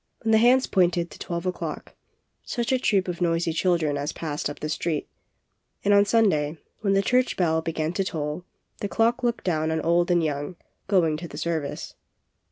When the hands pointed to twelve o'clock, such a troop of noisy chil dren as passed up the street And on Sun day when the church bell began to toll, the clock looked down on old and young, going to the service.